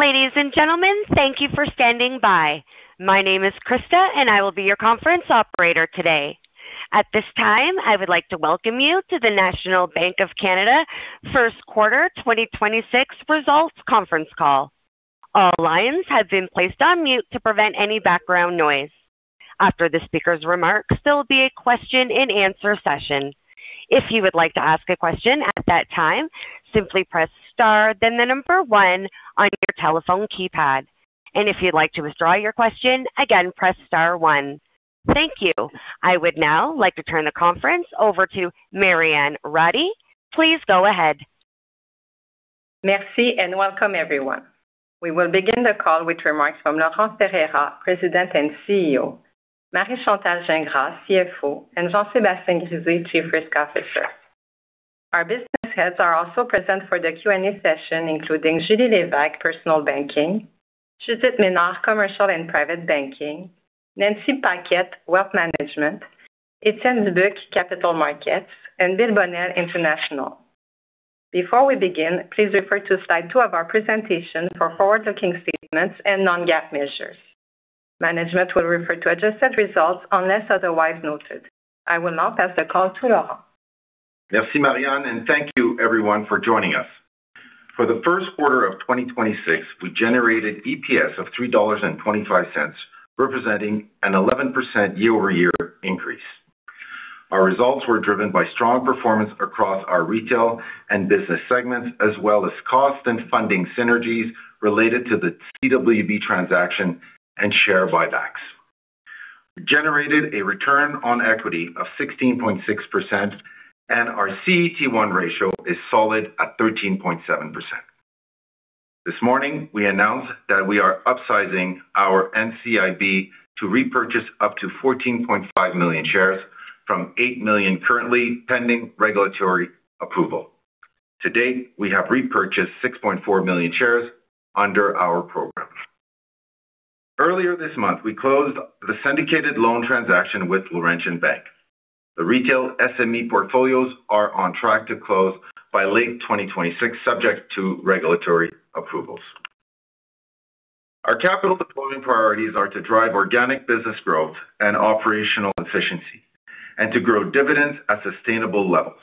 Ladies and gentlemen, thank you for standing by. My name is Krista. I will be your conference operator today. At this time, I would like to welcome you to the National Bank of Canada first quarter 2026 results conference call. All lines have been placed on mute to prevent any background noise. After the speaker's remarks, there will be a question-and-answer session. If you would like to ask a question at that time, simply press star, then one on your telephone keypad. If you'd like to withdraw your question again, press star one. Thank you. I would now like to turn the conference over to Marianne Ratté. Please go ahead. Merci. Welcome, everyone. We will begin the call with remarks from Laurent Ferreira, President and CEO, Marie-Chantal Gingras, CFO, and Jean-Sébastien Grisé, Chief Risk Officer. Our business heads are also present for the Q&A session, including Julie Lévesque, Personal Banking; Judith Ménard, Commercial and Private Banking; Nancy Paquet, Wealth Management; Étienne Dubuc, Capital Markets, and William Bonnell, International. Before we begin, please refer to slide two of our presentation for forward-looking statements and non-GAAP measures. Management will refer to adjusted results unless otherwise noted. I will now pass the call to Laurent. Merci, Marianne. Thank you everyone for joining us. For the first quarter of 2026, we generated EPS of 3.25 dollars, representing an 11% year-over-year increase. Our results were driven by strong performance across our retail and business segments, as well as cost and funding synergies related to the CWB transaction and share buybacks. We generated a return on equity of 16.6%, and our CET1 ratio is solid at 13.7%. This morning, we announced that we are upsizing our NCIB to repurchase up to 14.5 million shares from 8 million currently pending regulatory approval. To date, we have repurchased 6.4 million shares under our program. Earlier this month, we closed the syndicated loan transaction with Laurentian Bank. The retail SME portfolios are on track to close by late 2026, subject to regulatory approvals. Our capital deployment priorities are to drive organic business growth and operational efficiency and to grow dividends at sustainable levels.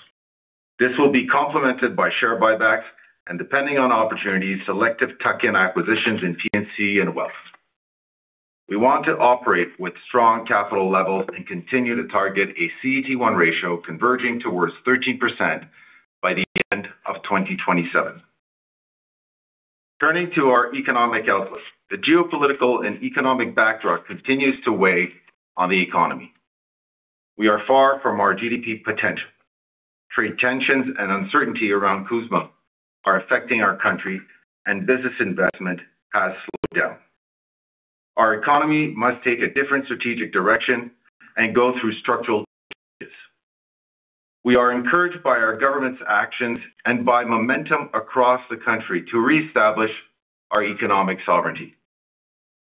This will be complemented by share buybacks and, depending on opportunities, selective tuck-in acquisitions in P&C and Wealth. We want to operate with strong capital levels and continue to target a CET1 ratio converging towards 13% by the end of 2027. Turning to our economic outlook. The geopolitical and economic backdrop continues to weigh on the economy. We are far from our GDP potential. Trade tensions and uncertainty around CUSMA are affecting our country, and business investment has slowed down. Our economy must take a different strategic direction and go through structural changes. We are encouraged by our government's actions and by momentum across the country to reestablish our economic sovereignty.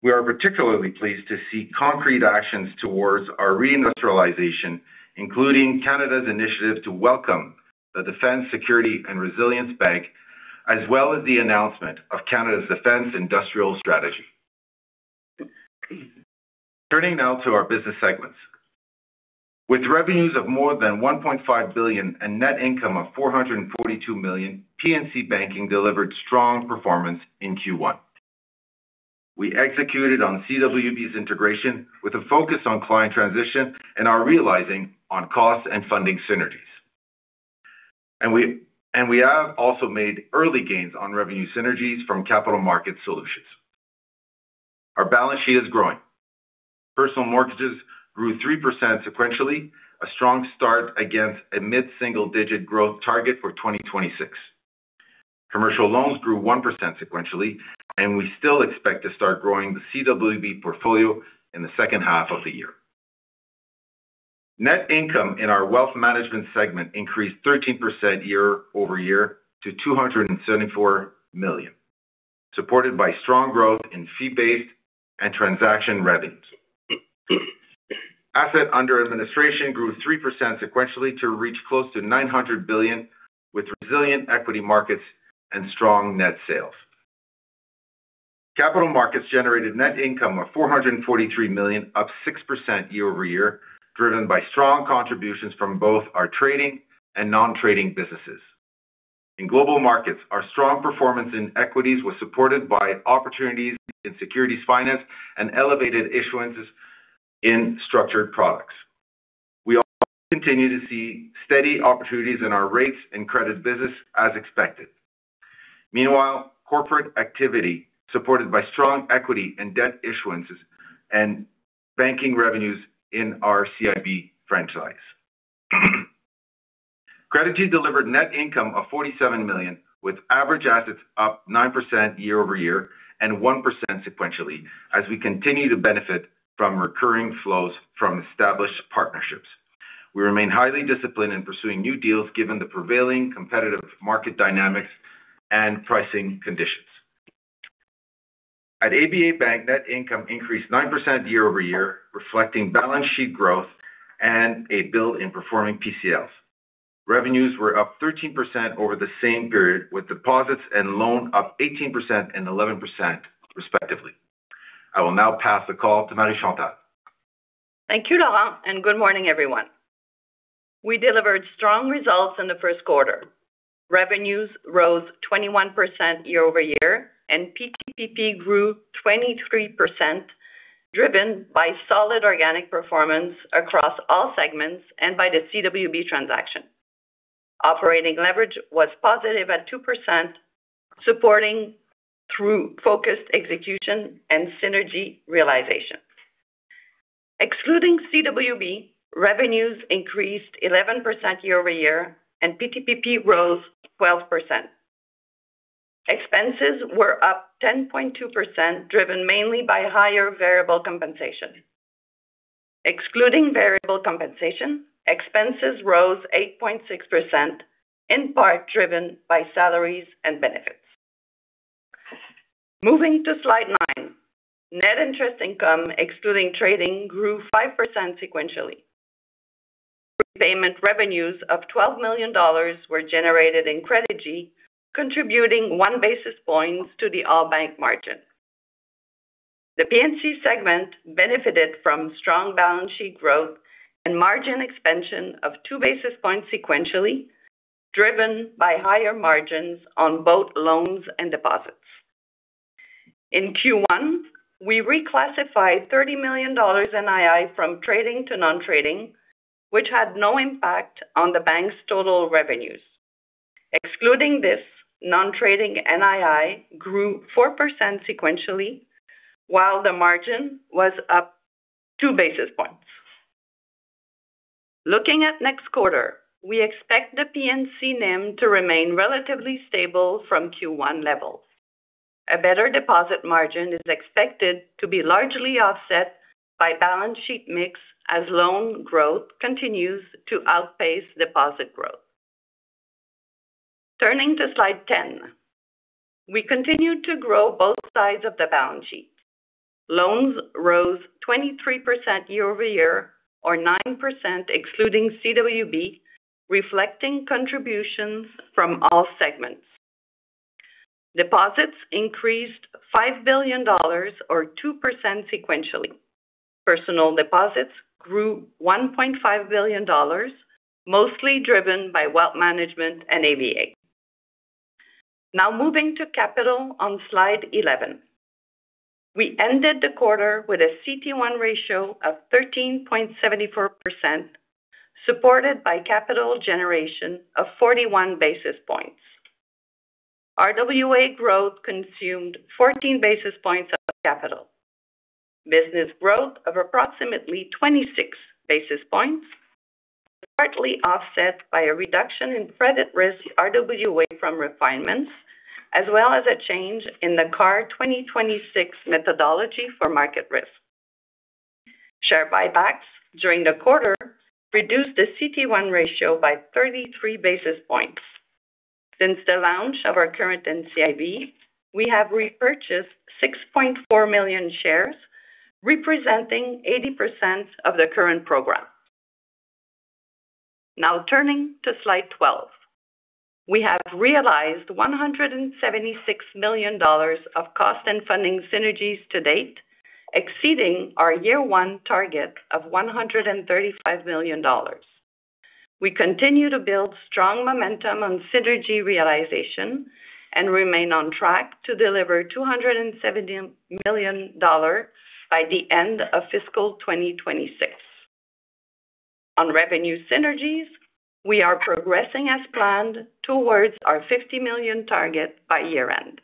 We are particularly pleased to see concrete actions towards our reindustrialization, including Canada's initiative to welcome the Defense, Security and Resilience Bank, as well as the announcement of Canada's Defence Industrial Strategy. Turning now to our business segments. With revenues of more than $1.5 billion and net income of $442 million, P&C Banking delivered strong performance in Q1. We executed on CWB's integration with a focus on client transition and are realizing on cost and funding synergies. We have also made early gains on revenue synergies from capital market solutions. Our balance sheet is growing. Personal mortgages grew 3% sequentially, a strong start against a mid-single-digit growth target for 2026. Commercial loans grew 1% sequentially, and we still expect to start growing the CWB portfolio in the second half of the year. Net income in our wealth management segment increased 13% year-over-year to 274 million, supported by strong growth in fee-based and transaction revenues. Asset Under Administration grew 3% sequentially to reach close to 900 billion, with resilient equity markets and strong net sales. Capital markets generated net income of 443 million, up 6% year-over-year, driven by strong contributions from both our trading and non-trading businesses. In global markets, our strong performance in equities was supported by opportunities in securities finance and elevated issuances in structured products. We also continue to see steady opportunities in our rates and credit business as expected. Meanwhile, corporate activity supported by strong equity and debt issuances and banking revenues in our CIB franchise. Credigy delivered net income of 47 million, with average assets up 9% year-over-year and 1% sequentially as we continue to benefit from recurring flows from established partnerships. We remain highly disciplined in pursuing new deals, given the prevailing competitive market dynamics and pricing conditions. At ABA Bank, net income increased 9% year-over-year, reflecting balance sheet growth and a build in performing PCLs. Revenues were up 13% over the same period, with deposits and loans up 18% and 11% respectively. I will now pass the call to Marie-Chantal. Thank you, Laurent, and good morning, everyone. We delivered strong results in the first quarter. Revenues rose 21% year-over-year, and PTPP grew 23%, driven by solid organic performance across all segments and by the CWB transaction. Operating leverage was positive at 2%, supporting through focused execution and synergy realization. Excluding CWB, revenues increased 11% year-over-year, and PTPP rose 12%. Expenses were up 10.2%, driven mainly by higher variable compensation. Excluding variable compensation, expenses rose 8.6%, in part driven by salaries and benefits. Moving to slide nine. Net interest income, excluding trading, grew 5% sequentially. Payment revenues of 12 million dollars were generated in Credigy, contributing one basis points to the all bank margin. The P&C segment benefited from strong balance sheet growth and margin expansion of two basis points sequentially, driven by higher margins on both loans and deposits. In Q1, we reclassified $30 million NII from trading to non-trading, which had no impact on the bank's total revenues. Excluding this, non-trading NII grew 4% sequentially, while the margin was up two basis points. Looking at next quarter, we expect the P&C NIM to remain relatively stable from Q1 levels. A better deposit margin is expected to be largely offset by balance sheet mix as loan growth continues to outpace deposit growth. Turning to slide 10. We continued to grow both sides of the balance sheet. Loans rose 23% year-over-year, or 9% excluding CWB, reflecting contributions from all segments. Deposits increased $5 billion or 2% sequentially. Personal deposits grew 1.5 billion dollars, mostly driven by wealth management and ABA. Moving to capital on slide 11. We ended the quarter with a CET1 ratio of 13.74%, supported by capital generation of 41 basis points. RWA growth consumed 14 basis points of capital. Business growth of approximately 26 basis points, partly offset by a reduction in credit risk RWA from refinements, as well as a change in the CAR 2026 methodology for market risk. Share buybacks during the quarter reduced the CET1 ratio by 33 basis points. Since the launch of our current NCIB, we have repurchased 6.4 million shares, representing 80% of the current program. Turning to slide 12. We have realized 176 million dollars of cost and funding synergies to date, exceeding our year one target of 135 million dollars. We continue to build strong momentum on synergy realization and remain on track to deliver 270 million dollars by the end of fiscal 2026. On revenue synergies, we are progressing as planned towards our 50 million target by year-end.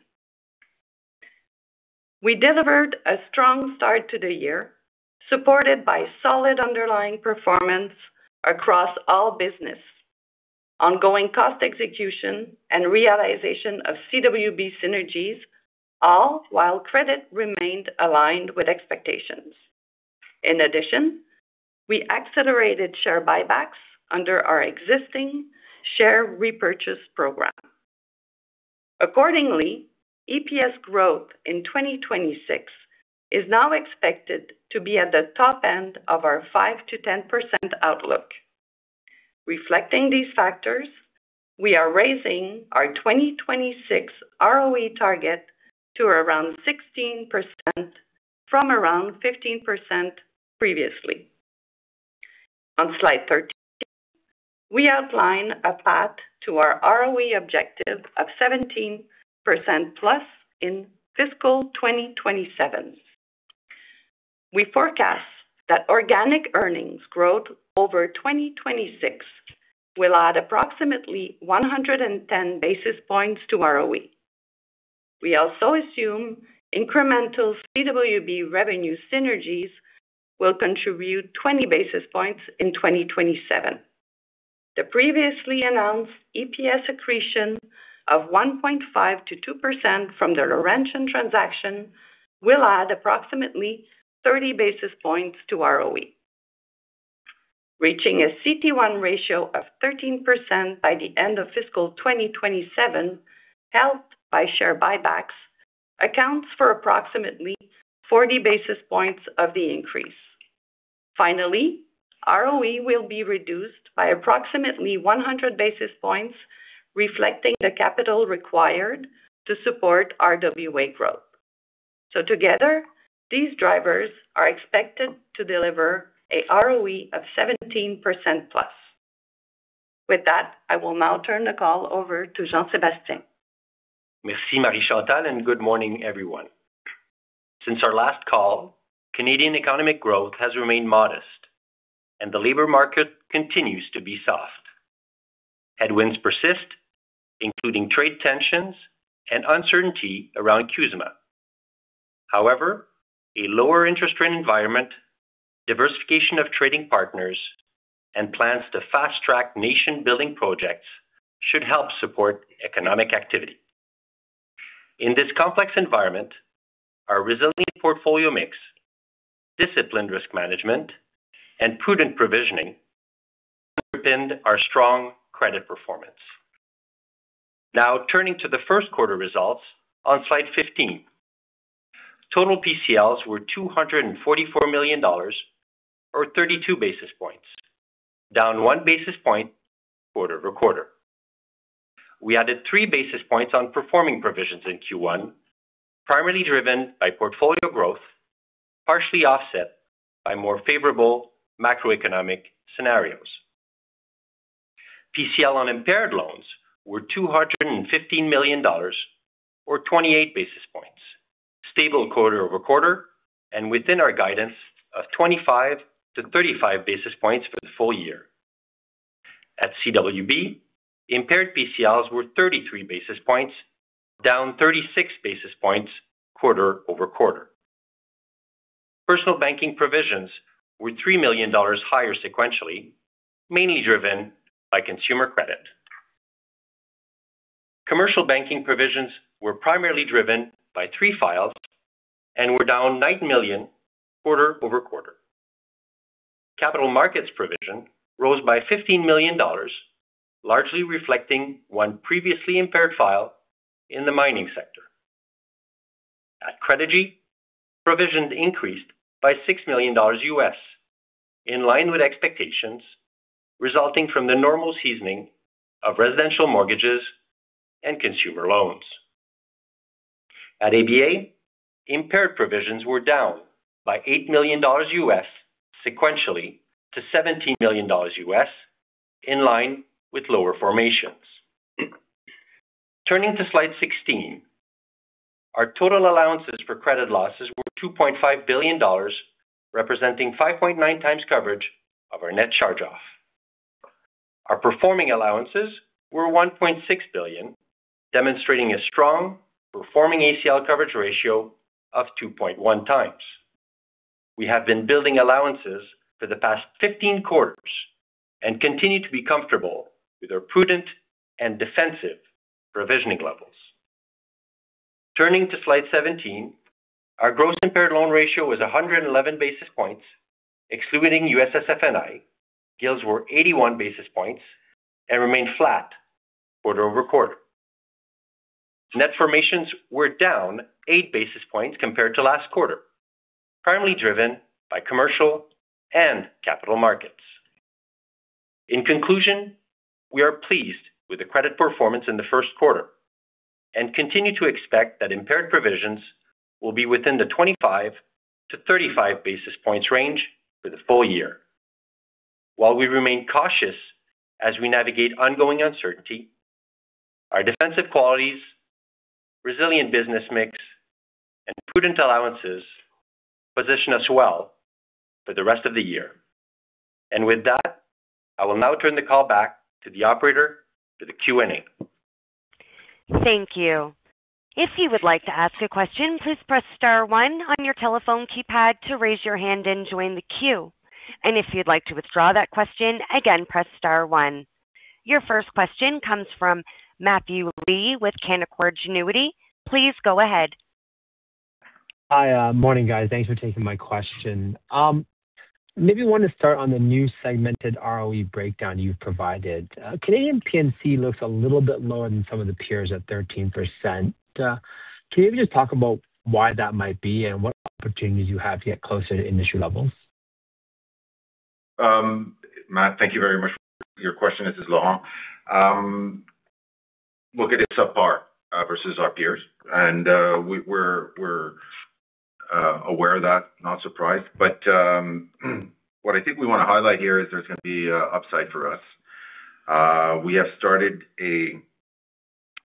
We delivered a strong start to the year, supported by solid underlying performance across all business, ongoing cost execution, and realization of CWB synergies, all while credit remained aligned with expectations. In addition, we accelerated share buybacks under our existing share repurchase program. Accordingly, EPS growth in 2026 is now expected to be at the top end of our 5%-10% outlook. Reflecting these factors, we are raising our 2026 ROE target to around 16% from around 15% previously. On slide 13, we outline a path to our ROE objective of 17%+ in fiscal 2027. We forecast that organic earnings growth over 2026 will add approximately 110 basis points to ROE. We also assume incremental CWB revenue synergies will contribute 20 basis points in 2027. The previously announced EPS accretion of 1.5%-2% from the Laurentian transaction will add approximately 30 basis points to ROE. reaching a CT1 ratio of 13% by the end of fiscal 2027, helped by share buybacks, accounts for approximately 40 basis points of the increase. Finally, ROE will be reduced by approximately 100 basis points, reflecting the capital required to support RWA growth. Together, these drivers are expected to deliver a ROE of 17%+. With that, I will now turn the call over to Jean-Sébastien. Merci, Marie-Chantal. Good morning, everyone. Since our last call, Canadian economic growth has remained modest and the labor market continues to be soft. Headwinds persist, including trade tensions and uncertainty around CUSMA. However, a lower interest rate environment, diversification of trading partners, and plans to fast-track nation-building projects should help support economic activity. In this complex environment, our resilient portfolio mix, disciplined risk management, and prudent provisioning underpin our strong credit performance. Now, turning to the first quarter results on slide 15. Total PCLs were 244 million dollars, or 32 basis points, down one basis point quarter-over-quarter. We added three basis points on performing provisions in Q1, primarily driven by portfolio growth, partially offset by more favorable macroeconomic scenarios. PCL on impaired loans were $215 million, or 28 basis points, stable quarter-over-quarter, and within our guidance of 25-35 basis points for the full year. At CWB, impaired PCLs were 33 basis points, down 36 basis points quarter-over-quarter. Personal banking provisions were $3 million higher sequentially, mainly driven by consumer credit. Commercial banking provisions were primarily driven by three files and were down $9 million quarter-over-quarter. Capital markets provision rose by $15 million, largely reflecting one previously impaired file in the mining sector. At Credigy, provisions increased by 6 million US dollars, in line with expectations, resulting from the normal seasoning of residential mortgages and consumer loans. At ABA, impaired provisions were down by 8 million US dollars sequentially to 17 million US dollars, in line with lower formations. Turning to slide 16, our total allowances for credit losses were 2.5 billion dollars, representing 5.9x coverage of our net charge-off. Our performing allowances were 1.6 billion, demonstrating a strong performing ACL coverage ratio of 2.1x. We have been building allowances for the past 15 quarters and continue to be comfortable with our prudent and defensive provisioning levels. Turning to slide 17, our gross impaired loan ratio was 111 basis points, excluding USSF&I. GILs were 81 basis points and remained flat quarter-over-quarter. Net formations were down eight basis points compared to last quarter, primarily driven by commercial and capital markets. In conclusion, we are pleased with the credit performance in the first quarter and continue to expect that impaired provisions will be within the 25-35 basis points range for the full year. While we remain cautious as we navigate ongoing uncertainty, our defensive qualities, resilient business mix, and prudent allowances position us well for the rest of the year. With that, I will now turn the call back to the operator for the Q&A. Thank you. If you would like to ask a question, please press star one on your telephone keypad to raise your hand and join the queue. If you'd like to withdraw that question, again, press star one. Your first question comes from Matthew Lee with Canaccord Genuity. Please go ahead. Hi. Morning, guys. Thanks for taking my question. Maybe want to start on the new segmented ROE breakdown you've provided. Canadian P&C looks a little bit lower than some of the peers at 13%. Can you just talk about why that might be and what opportunities you have to get closer to industry levels? Matt, thank you very much for your question. This is Laurent. Look, it is subpar versus our peers, and we're aware of that, not surprised. What I think we want to highlight here is there's going to be upside for us. We have started a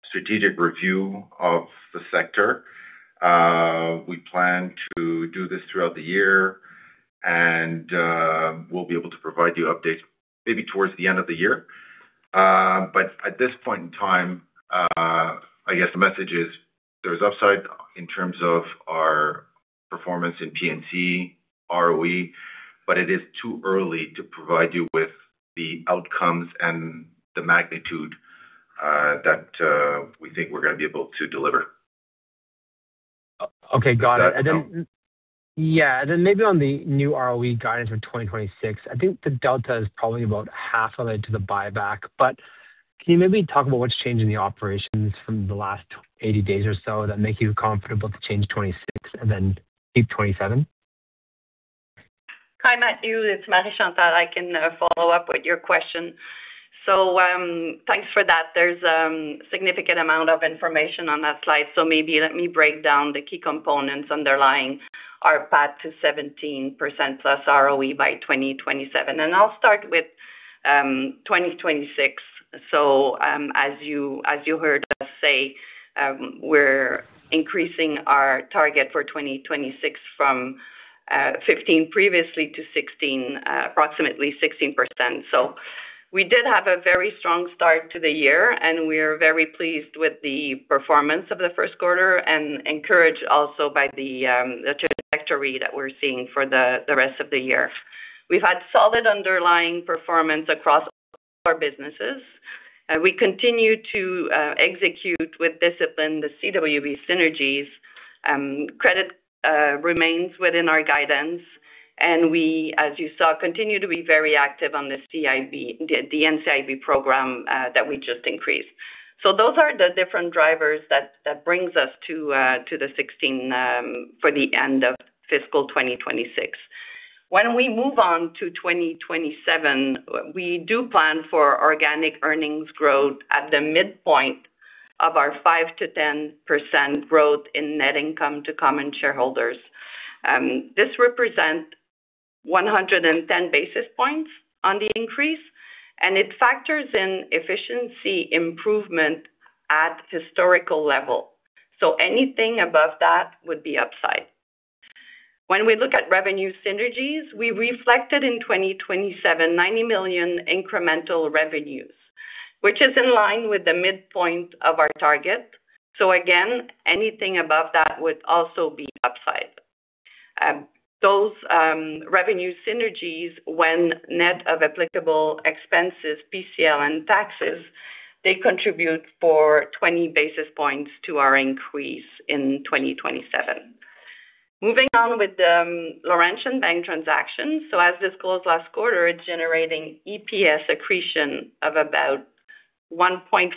strategic review of the sector. We plan to do this throughout the year, and we'll be able to provide you updates maybe towards the end of the year. At this point in time, I guess the message is there's upside in terms of our performance in P&C ROE, but it is too early to provide you with the outcomes and the magnitude that we think we're going to be able to deliver. Okay, got it. Then, yeah, then maybe on the new ROE guidance for 2026, I think the delta is probably about half related to the buyback. Can you maybe talk about what's changing the operations from the last 80 days or so that make you comfortable to change 26 and then keep 27? Hi, Matthew, it's Marie-Chantal. I can follow up with your question. Thanks for that. There's significant amount of information on that slide. Maybe let me break down the key components underlying our path to 17% plus ROE by 2027, and I'll start with 2026. As you heard us say, we're increasing our target for 2026 from 15 previously to 16, approximately 16%. We did have a very strong start to the year, and we are very pleased with the performance of the first quarter and encouraged also by the trajectory that we're seeing for the rest of the year. We've had solid underlying performance across our businesses, and we continue to execute with discipline the CWB synergies. Credit remains within our guidance, and we, as you saw, continue to be very active on the CIB, the NCIB program that we just increased. Those are the different drivers that brings us to the 16 for the end of fiscal 2026. We move on to 2027, we do plan for organic earnings growth at the midpoint of our 5%-10% growth in net income to common shareholders. This represent 110 basis points on the increase, and it factors in efficiency improvement at historical level. Anything above that would be upside. We look at revenue synergies, we reflected in 2027, $90 million incremental revenues, which is in line with the midpoint of our target. Again, anything above that would also be upside. Those revenue synergies, when net of applicable expenses, PCL and taxes, they contribute for 20 basis points to our increase in 2027. Moving on with the Laurentian Bank transaction. As disclosed last quarter, it's generating EPS accretion of about 1.5%-2%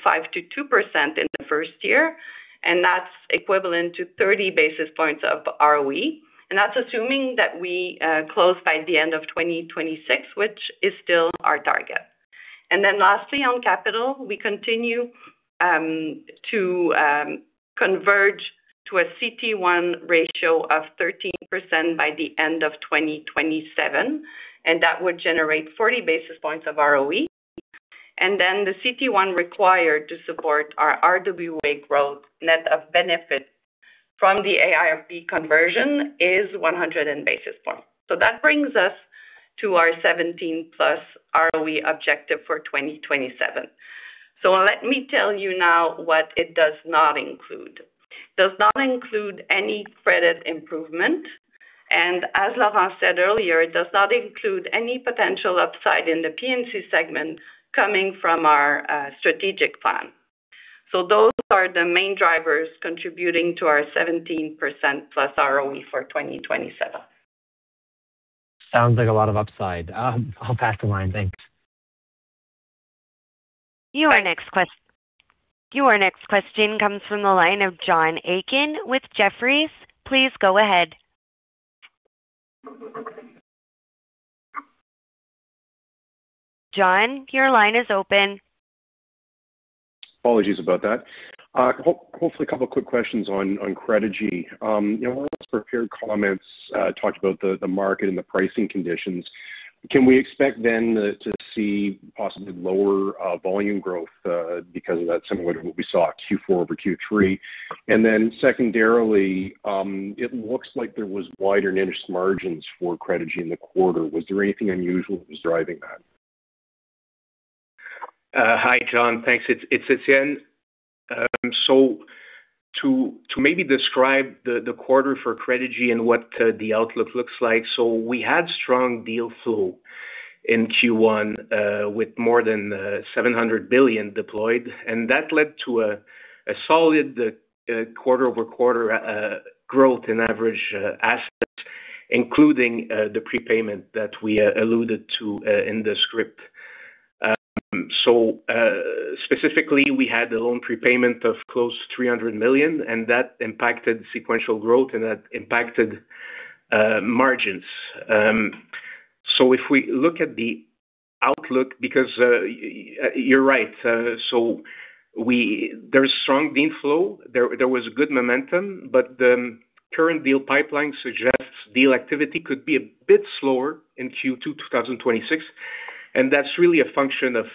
in the first year, and that's equivalent to 30 basis points of ROE. That's assuming that we close by the end of 2026, which is still our target. Lastly, on capital, we continue to converge to a CT1 ratio of 13% by the end of 2027, and that would generate 40 basis points of ROE. The CT1 required to support our RWA growth, net of benefit from the AIRB conversion is 100 and basis point. That brings us to our 17+ ROE objective for 2027. Let me tell you now what it does not include. Does not include any credit improvement, and as Laurent said earlier, it does not include any potential upside in the P&C segment coming from our strategic plan. Those are the main drivers contributing to our 17% plus ROE for 2027. Sounds like a lot of upside. I'll pass the line. Thanks. Your next question comes from the line of John Aiken with Jefferies. Please go ahead. John, your line is open. Apologies about that. Hopefully a couple of quick questions on Credigy. You know, one of those prepared comments talked about the market and the pricing conditions. Can we expect then to see possibly lower volume growth because of that, similar to what we saw Q4 over Q3? Secondarily, it looks like there was wider net interest margins for Credigy in the quarter. Was there anything unusual that was driving that? Hi, John. Thanks. It's Étienne. To maybe describe the quarter for Credigy and what the outlook looks like. We had strong deal flow in Q1 with more than 700 billion deployed, and that led to a solid quarter-over-quarter growth in average assets, including the prepayment that we alluded to in the script. Specifically, we had a loan prepayment of close to 300 million, and that impacted sequential growth, and that impacted margins. If we look at the outlook, because you're right. There's strong deal flow. There was good momentum. The current deal pipeline suggests deal activity could be a bit slower in Q2 2026, and that's really a function of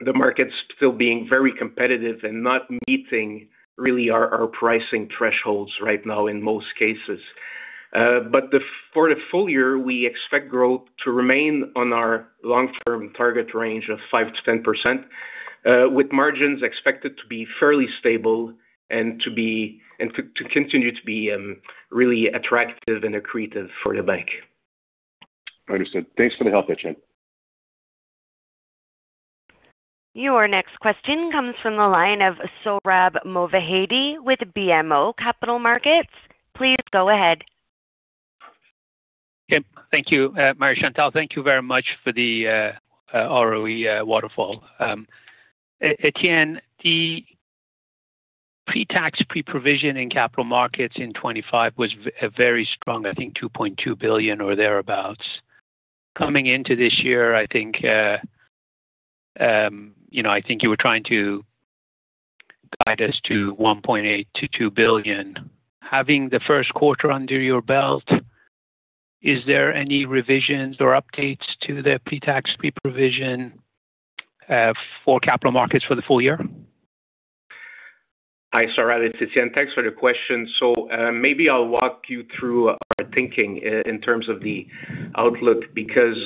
the markets still being very competitive and not meeting really our pricing thresholds right now, in most cases. For the full year, we expect growth to remain on our long-term target range of 5% to 10%, with margins expected to be fairly stable and to continue to be really attractive and accretive for the bank. Understood. Thanks for the help, Étienne. Your next question comes from the line of Sohrab Movahedi with BMO Capital Markets. Please go ahead. Thank you, Marie-Chantal. Thank you very much for the ROE waterfall. Etienne, the pre-tax, pre-provision in Capital Markets in 25 was very strong, I think $2.2 billion or thereabouts. Coming into this year, I think, you know, I think you were trying to guide us to $1.8 billion-$2 billion. Having the first quarter under your belt, is there any revisions or updates to the pre-tax, pre-provision for Capital Markets for the full year? Hi, Sohrab. It's Etienne. Thanks for the question. Maybe I'll walk you through our thinking in terms of the outlook, because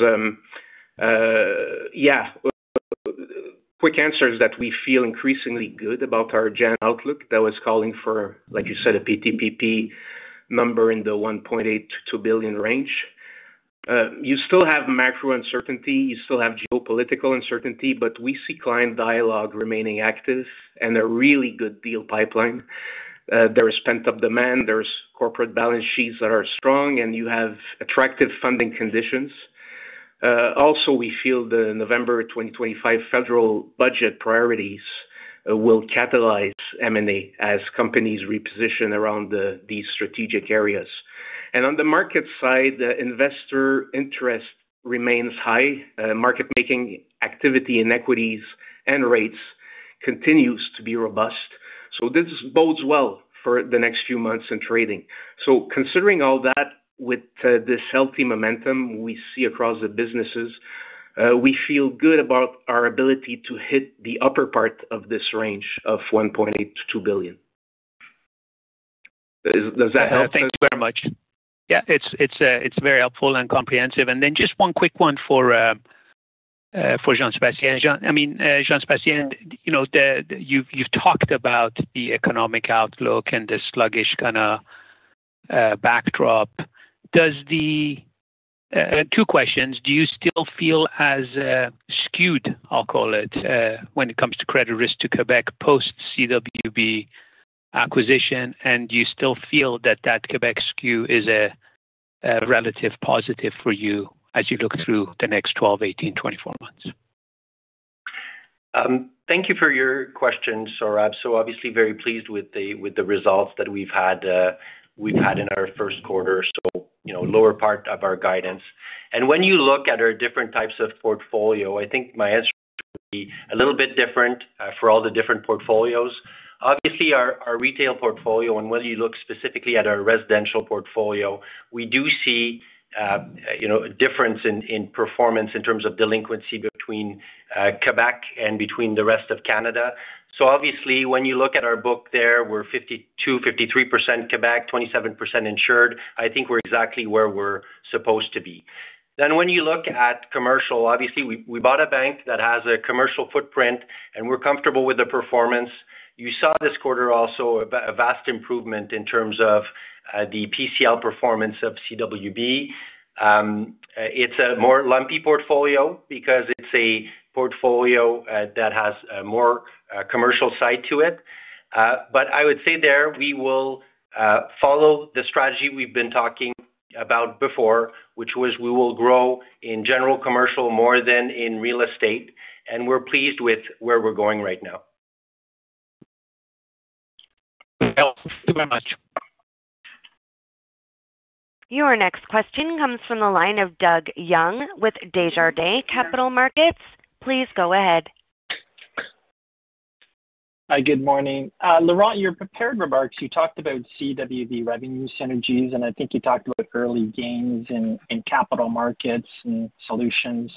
quick answer is that we feel increasingly good about our general outlook. That was calling for, like you said, a PTPP number in the 1.8 billion-2 billion range. You still have macro uncertainty, you still have geopolitical uncertainty, but we see client dialogue remaining active and a really good deal pipeline. There is pent-up demand, there's corporate balance sheets that are strong, and you have attractive funding conditions. Also, we feel the November 2025 federal budget priorities will catalyze M&A as companies reposition around these strategic areas. On the market side, the investor interest remains high. Market making activity in equities and rates continues to be robust. This bodes well for the next few months in trading. Considering all that, with this healthy momentum we see across the businesses, we feel good about our ability to hit the upper part of this range of $1.8 billion-$2 billion. Does that help? Thanks very much. Yeah, it's very helpful and comprehensive. Then just one quick one for Jean-Sébastien. Jean, I mean, Jean-Sébastien, you know, you've talked about the economic outlook and the sluggish kind of backdrop. Does the, two questions: Do you still feel as skewed, I'll call it, when it comes to credit risk to Quebec post CWB acquisition? Do you still feel that Quebec skew is a relative positive for you as you look through the next 12, 18, 24 months? Thank you for your question, Saurabh. Obviously, very pleased with the results that we've had in our first quarter. You know, lower part of our guidance. When you look at our different types of portfolio, I think my answer will be a little bit different for all the different portfolios. Obviously, our retail portfolio, and when you look specifically at our residential portfolio, we do see, you know, a difference in performance in terms of delinquency between Quebec and between the rest of Canada. Obviously, when you look at our book there, we're 52%, 53% Quebec, 27% insured. I think we're exactly where we're supposed to be. When you look at commercial, obviously, we bought a bank that has a commercial footprint, and we're comfortable with the performance. You saw this quarter also a vast improvement in terms of the PCL performance of CWB. It's a more lumpy portfolio because it's a portfolio that has a more commercial side to it. I would say there, we will follow the strategy we've been talking about before, which was we will grow in general commercial more than in real estate, and we're pleased with where we're going right now. Thank you very much. Your next question comes from the line of Doug Young with Desjardins Capital Markets. Please go ahead. Hi, good morning. Laurent, your prepared remarks, you talked about CWB revenue synergies, and I think you talked about early gains in capital markets and solutions,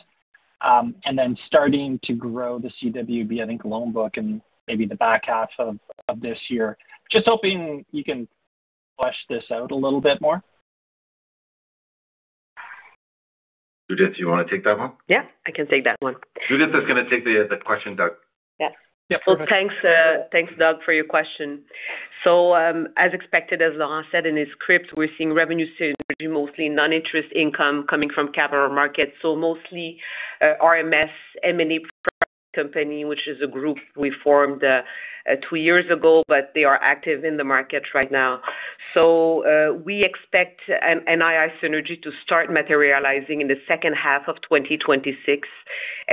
and then starting to grow the CWB, I think, loan book in maybe the back half of this year. Just hoping you can flush this out a little bit more? Judith, do you want to take that one? Yeah, I can take that one. Judith is going to take the question, Doug. Yes. Yeah. Thanks, Doug, for your question. As expected, as Laurent said in his script, we're seeing revenue synergy, mostly non-interest income coming from capital markets. Mostly, RMS, M&A company, which is a group we formed two years ago, but they are active in the market right now. We expect an NII synergy to start materializing in the second half of 2026,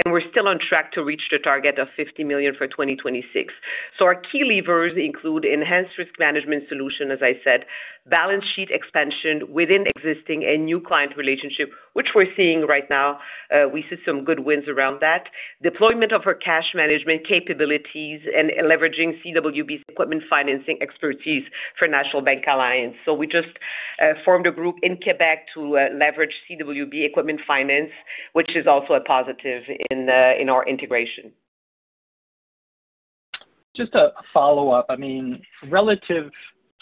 and we're still on track to reach the target of 50 million for 2026. Our key levers include enhanced risk management solution, as I said, balance sheet expansion within existing and new client relationship, which we're seeing right now. We see some good wins around that. Deployment of our cash management capabilities and leveraging CWB's equipment financing expertise for National Bank Alliance. We just formed a group in Quebec to leverage CWB equipment finance, which is also a positive in the, in our integration. Just a follow-up. I mean, relative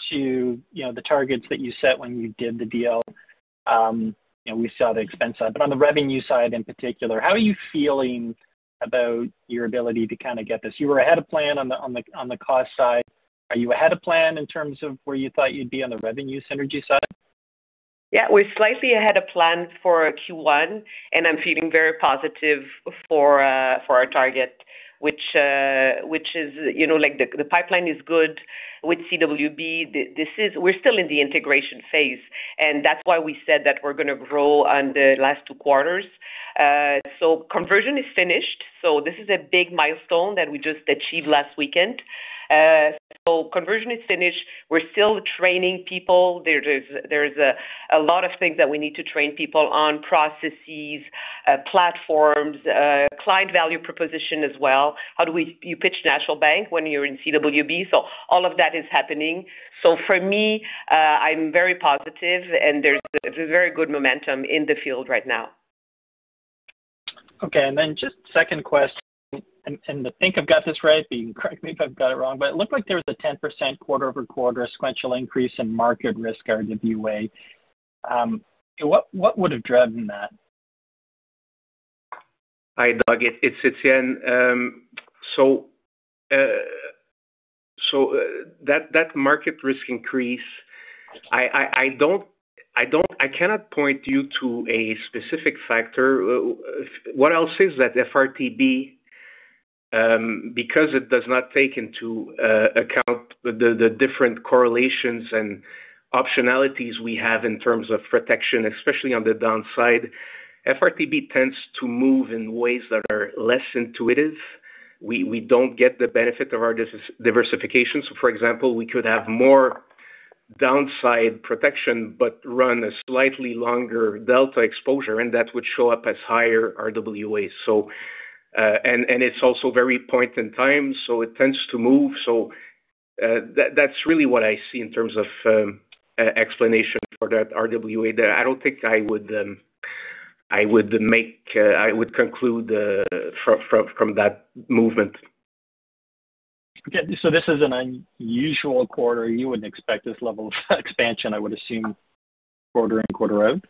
to, you know, the targets that you set when you did the deal, you know, we saw the expense side. On the revenue side in particular, how are you feeling about your ability to kind of get this? You were ahead of plan on the cost side. Are you ahead of plan in terms of where you thought you'd be on the revenue synergy side? Yeah, we're slightly ahead of plan for Q1, and I'm feeling very positive for our target, which is, you know, like, the pipeline is good with CWB. We're still in the integration phase, and that's why we said that we're gonna grow on the last two quarters. Conversion is finished, so this is a big milestone that we just achieved last weekend. Conversion is finished. We're still training people. There's a lot of things that we need to train people on, processes, platforms, client value proposition as well. How do you pitch National Bank when you're in CWB? All of that is happening. For me, I'm very positive, and there's a very good momentum in the field right now. Okay, then just second question, I think I've got this right, but you can correct me if I've got it wrong. It looked like there was a 10% quarter-over-quarter sequential increase in market risk RWA. What would have driven that? Hi, Doug. It's Étienne. That market risk increase, I cannot point you to a specific factor. What I'll say is that FRTB, because it does not take into account the different correlations and optionalities we have in terms of protection, especially on the downside, FRTB tends to move in ways that are less intuitive. We don't get the benefit of our diversification. For example, we could have more downside protection but run a slightly longer delta exposure, and that would show up as higher RWA. And it's also very point in time, so it tends to move. That's really what I see in terms of explanation for that RWA there. I don't think I would, I would make, I would conclude, from that movement. This is an unusual quarter, and you wouldn't expect this level of expansion, I would assume, quarter in, quarter out.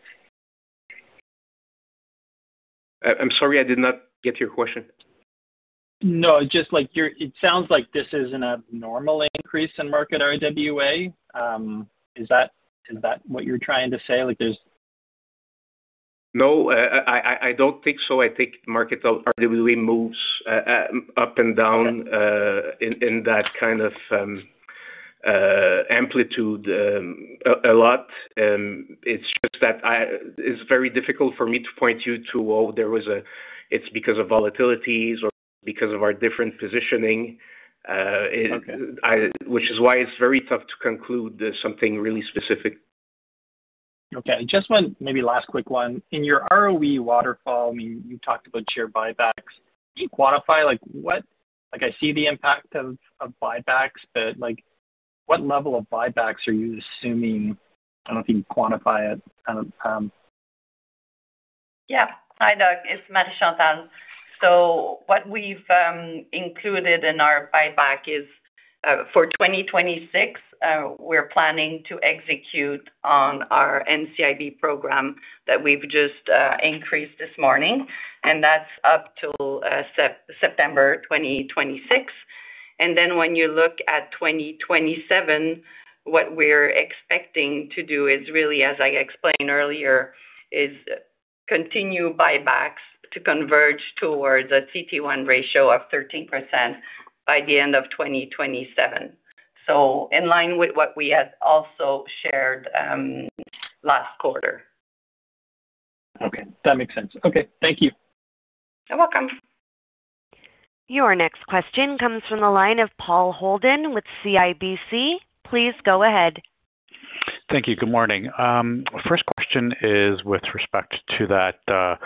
I'm sorry, I did not get your question. No, just like it sounds like this isn't a normal increase in market RWA. Is that what you're trying to say? No, I don't think so. I think market RWA moves up and down in that kind of amplitude a lot. It's just that it's very difficult for me to point you to, oh, there was a, it's because of volatilities or because of our different positioning. Okay. Which is why it's very tough to conclude, something really specific. Okay, just one, maybe last quick one. In your ROE waterfall, I mean, you talked about share buybacks. Can you quantify, like, what like, I see the impact of buybacks, but, like, what level of buybacks are you assuming? I don't know if you can quantify it. Hi, Doug, it's Marie-Chantal. What we've included in our buyback is for 2026, we're planning to execute on our NCIB program that we've just increased this morning, and that's up till September 2026. When you look at 2027, what we're expecting to do is really, as I explained earlier, is continue buybacks to converge towards a CT1 ratio of 13% by the end of 2027. In line with what we had also shared last quarter. Okay, that makes sense. Okay, thank you. You're welcome. Your next question comes from the line of Paul Holden with CIBC. Please go ahead. Thank you, good morning. First question is with respect to that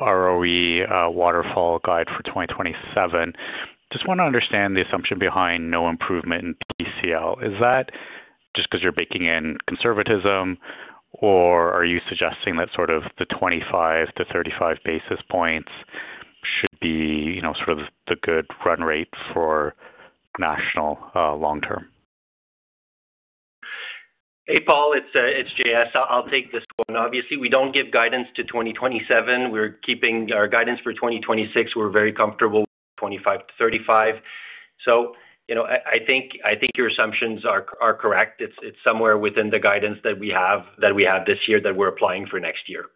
ROE waterfall guide for 2027. Just want to understand the assumption behind no improvement in PCL. Is that just because you're baking in conservatism, or are you suggesting that sort of the 25-35 basis points should be, you know, sort of the good run rate for National long term? Hey, Paul, it's J.S. I'll take this one. Obviously, we don't give guidance to 2027. We're keeping our guidance for 2026. We're very comfortable with 25-35. You know, I think your assumptions are correct. It's somewhere within the guidance that we have this year, that we're applying for next year.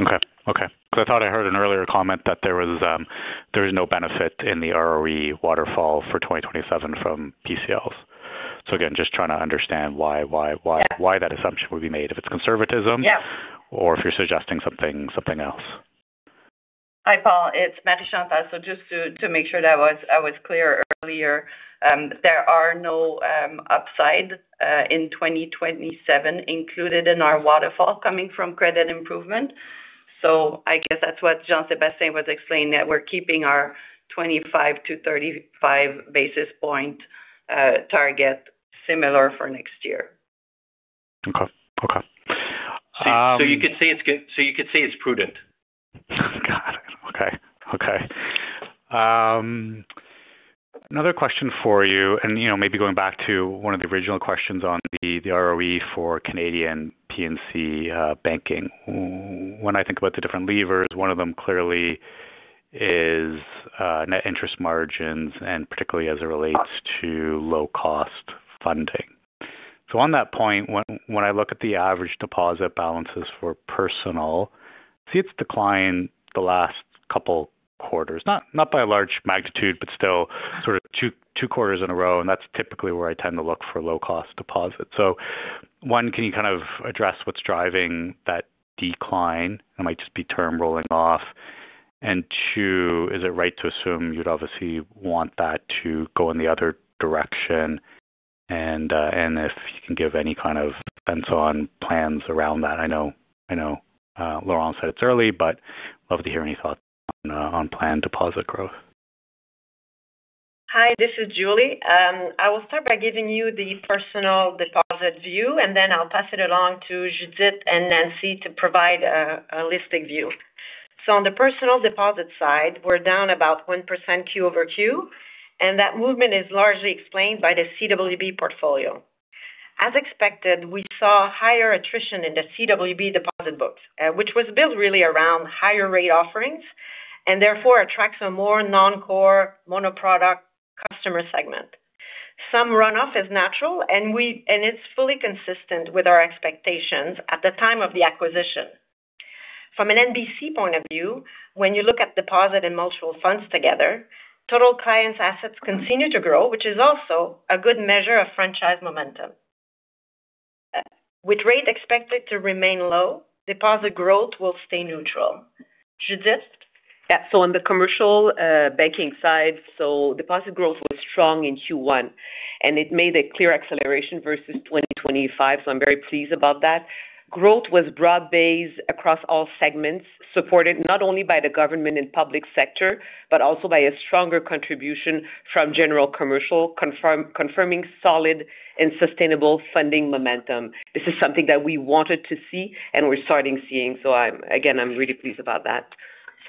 Okay, because I thought I heard an earlier comment that there was, there is no benefit in the ROE waterfall for 2027 from PCLs. Again, just trying to understand why? Yeah. Why that assumption would be made, if it's conservatism? Yeah. If you're suggesting something else. Hi, Paul, it's Marie-Chantal. Just to make sure that I was clear earlier, there are no upside in 2027 included in our waterfall coming from credit improvement. I guess that's what Jean-Sébastien was explaining, that we're keeping our 25-35 basis point target similar for next year. Okay. Okay. You could say it's prudent. Got it. Okay. Okay. You know, another question for you, maybe going back to one of the original questions on the ROE for Canadian P&C Banking. When I think about the different levers, one of them clearly is net interest margins, particularly as it relates to low-cost funding. On that point, when I look at the average deposit balances for personal, I see it's declined the last couple quarters. Not by a large magnitude, but still sort of two quarters in a row, that's typically where I tend to look for low-cost deposits. One, can you kind of address what's driving that decline? It might just be term rolling off. Two, is it right to assume you'd obviously want that to go in the other direction? If you can give any kind of thoughts on plans around that. I know Laurent Ferreira said it's early, love to hear any thoughts on plan deposit growth. Hi, this is Julie. I will start by giving you the personal deposit view, then I'll pass it along to Judith and Nancy to provide a holistic view. On the personal deposit side, we're down about 1% Q-over-Q, that movement is largely explained by the CWB portfolio. As expected, we saw higher attrition in the CWB deposit books, which was built really around higher rate offerings and therefore attracts a more non-core monoproduct customer segment. Some runoff is natural, it's fully consistent with our expectations at the time of the acquisition. From an NBC point of view, when you look at deposit and mutual funds together, total clients' assets continue to grow, which is also a good measure of franchise momentum. With rates expected to remain low, deposit growth will stay neutral. Judith? On the commercial banking side, deposit growth was strong in Q1, and it made a clear acceleration versus 2025. I'm very pleased about that. Growth was broad-based across all segments, supported not only by the government and public sector, but also by a stronger contribution from general commercial, confirming solid and sustainable funding momentum. This is something that we wanted to see, and we're starting seeing. I'm, again, I'm really pleased about that.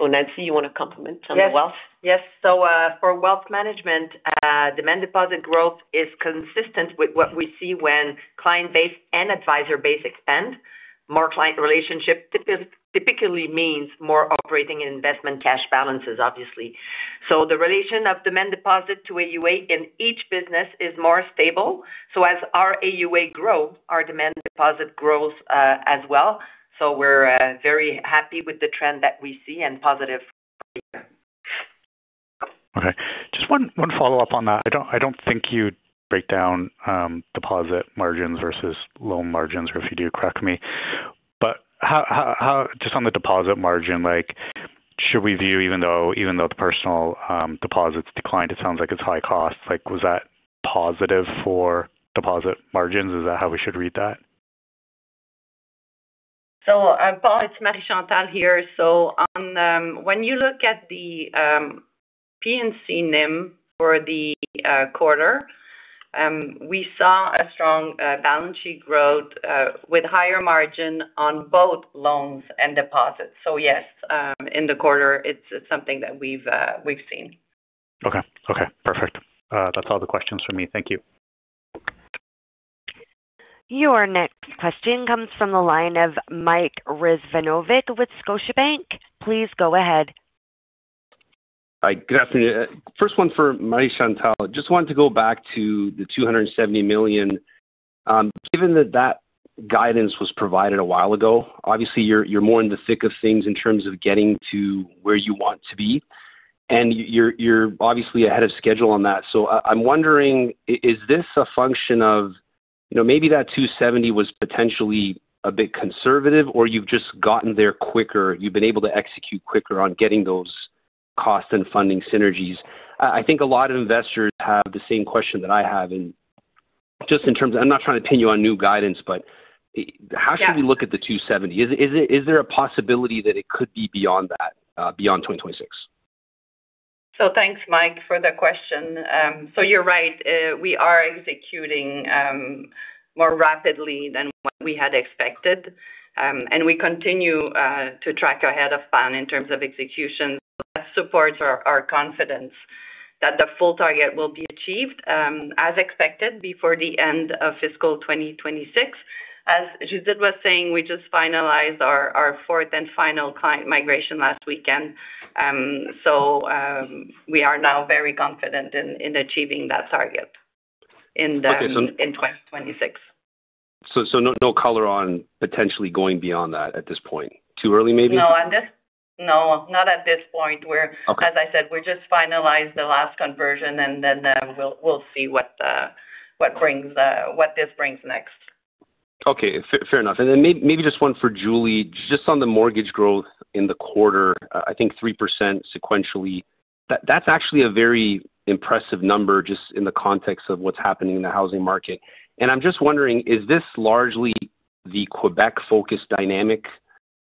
Nancy, you want to complement on wealth? Yes. Yes. For wealth management, demand deposit growth is consistent with what we see when client base and advisor base expand. More client relationship typically means more operating and investment cash balances, obviously. The relation of demand deposit to AUA in each business is more stable. As our AUA grow, our demand deposit grows as well. We're very happy with the trend that we see and positive here. Okay. Just one follow-up on that. I don't think you break down deposit margins versus loan margins, or if you do, correct me. How Just on the deposit margin, like, should we view, even though the personal deposits declined, it sounds like it's high cost. Like, was that positive for deposit margins? Is that how we should read that? Paul, it's Marie-Chantal here. When you look at the P&C NIM for the quarter, we saw a strong balance sheet growth with higher margin on both loans and deposits. Yes, in the quarter, it's something that we've seen. Okay. Okay, perfect. That's all the questions from me. Thank you. Your next question comes from the line of Mike Rizvanovic with Scotiabank. Please go ahead. Hi, good afternoon. First one for Marie-Chantal. Just wanted to go back to the 270 million. Given that guidance was provided a while ago, obviously you're more in the thick of things in terms of getting to where you want to be, and you're obviously ahead of schedule on that. I'm wondering, is this a function of, you know, maybe that 270 was potentially a bit conservative, or you've just gotten there quicker, you've been able to execute quicker on getting those cost and funding synergies? I think a lot of investors have the same question that I have. Just in terms of, I'm not trying to pin you on new guidance. Yeah. How should we look at the 270? Is it, is there a possibility that it could be beyond that, beyond 2026? Thanks, Mike, for the question. You're right. We are executing more rapidly than what we had expected, and we continue to track ahead of plan in terms of execution. That supports our confidence that the full target will be achieved, as expected, before the end of fiscal 2026. As Judith was saying, we just finalized our fourth and final client migration last weekend. We are now very confident in achieving that target. Okay. In 2026. No color on potentially going beyond that at this point. Too early, maybe? No, not at this point. Okay. As I said, we just finalized the last conversion, and then, we'll see what brings, what this brings next. Okay, fair enough. Then maybe just one for Julie. Just on the mortgage growth in the quarter, I think 3% sequentially. That's actually a very impressive number just in the context of what's happening in the housing market. I'm just wondering, is this largely the Quebec-focused dynamic?